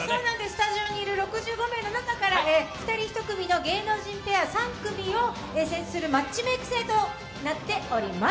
スタジオにいる６５名の中から２人１組の芸能人ペア、３組のマッチメーク制となっております。